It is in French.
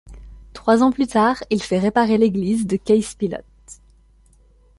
Trois ans plus tard, il fait réparer l'église de Case-Pilote.